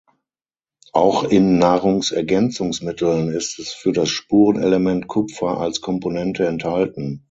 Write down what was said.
Auch in Nahrungsergänzungsmitteln ist es für das Spurenelement Kupfer als Komponente enthalten.